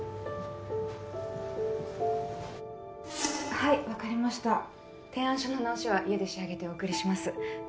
はい分かりました提案書の直しは家で仕上げてお送りします